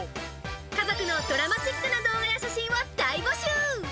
家族のドラマチックな動画や写真を大募集。